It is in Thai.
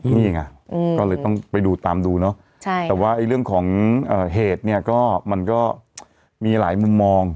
นี่ไงก็เลยต้องไปดูตามดูเนาะแต่ว่าเรื่องของเหตุเนี่ยก็มันก็มีหลายมุมมอง